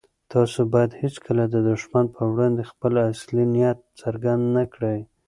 تاسو بايد هيڅکله د دښمن په وړاندې خپل اصلي نيت څرګند نه کړئ.